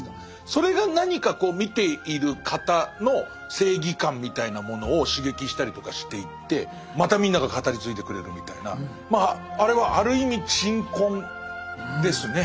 それが何か見ている方の正義感みたいなものを刺激したりとかしていってまたみんなが語り継いでくれるみたいなあれはある意味鎮魂ですね。